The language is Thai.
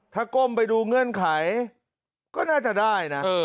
ถ้าก้มไปดูเงื่อนไขก็น่าจะได้นะ